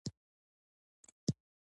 دوهم شاه عالم شکمن وو.